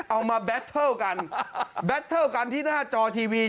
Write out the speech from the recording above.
เอามาแบตเตอร์ลกันแบตเตอร์ลกันที่หน้าจอทีวี